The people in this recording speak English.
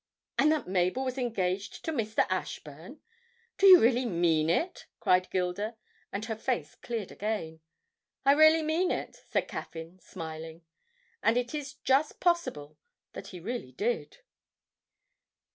'And that Mabel was engaged to Mr. Ashburn? Do you really mean it?' cried Gilda, and her face cleared again. 'I really mean it,' said Caffyn smiling; and it is just possible that he really did.